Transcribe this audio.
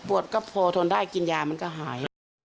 ก็พอทนได้กินยามันก็หาย